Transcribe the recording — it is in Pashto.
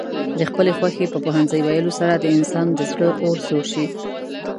د خپلې خوښې په پوهنځي ويلو سره د انسان د زړه اور سوړ شي.